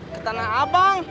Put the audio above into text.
ke tanah abang